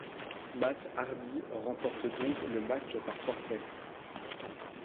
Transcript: Matt Hardy remporte donc le match par forfait.